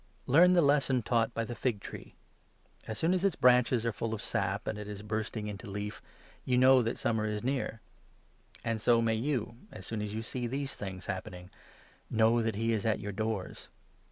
The Need Learn the lesson taught by the fig tree. As for soon as its branches are full of sap, and it is watchfulness, bursting into leaf, you know that summer is near. And so may you, as soon as you see these things hap pening, know that he is at your doors.